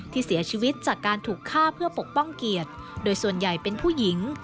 ที่เสียชีวิตจากการถูกฆ่าเพื่อปกป้องเกียรติโดยส่วนใหญ่เป็นผู้หญิง